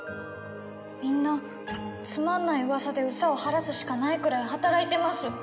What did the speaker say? みんなつまんないうわさで憂さを晴らすしかないくらい働いてます